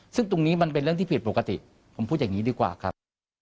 ซึ่งตรงนี้มันเป็นเรื่องที่ผิดปกติผมพูดอย่างนี้ดีกว่าครับ